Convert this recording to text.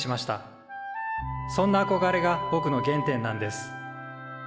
そんなあこがれがぼくの原点なんです。